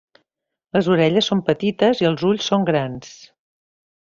Les orelles són petites i els ulls són grans.